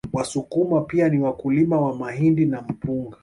Wasukuma pia ni wakulima wa mahindi na mpunga